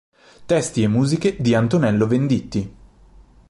Testi e musiche di Antonello Venditti.